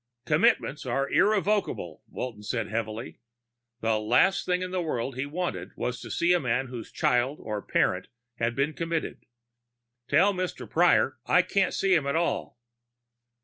"Commitments are irrevocable," Walton said heavily. The last thing in the world he wanted was to see a man whose child or parent had just been committed. "Tell Mr. Prior I can't see him at all."